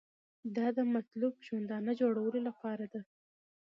دا د مطلوب ژوندانه جوړولو لپاره ده.